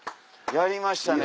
やりましたね。